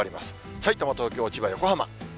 さいたま、東京、千葉、横浜。